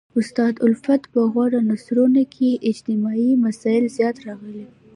استاد الفت په غوره نثرونو کښي اجتماعي مسائل زیات راغلي.